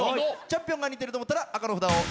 チャンピオンが似てると思ったら紅の札を。